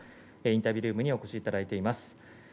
インタビュールームにお越しいただいています。